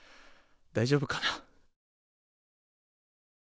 大丈夫かな。